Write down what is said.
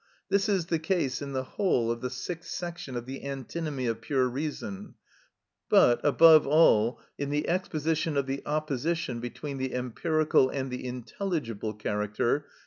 This is the case in the whole of the "Sixth Section of the Antinomy of Pure Reason;" but, above all, in the exposition of the opposition between the empirical and the intelligible character, p.